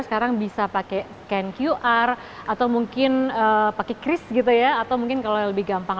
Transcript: sekarang bisa pakai scan qr atau mungkin pakai cris gitu ya atau mungkin kalau yang lebih gampang